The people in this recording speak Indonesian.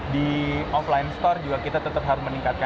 di offline store juga kita tetap harus meningkatkan